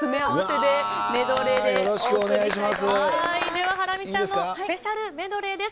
ではハラミちゃんのスペシャルメドレーです。